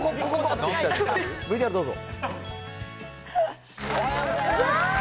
ＶＴＲどうぞ。